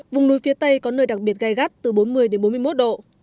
vùng núi phía tây có nơi đặc biệt gai gắt từ bốn mươi đến bốn mươi một độ